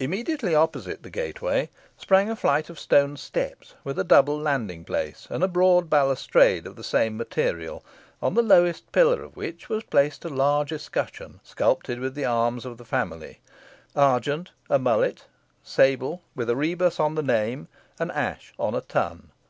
Immediately opposite the gateway sprang a flight of stone steps, with a double landing place and a broad balustrade of the same material, on the lowest pillar of which was placed a large escutcheon sculptured with the arms of the family argent, a mullet sable with a rebus on the name an ash on a tun.